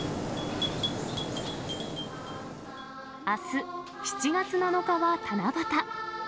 あす７月７日は七夕。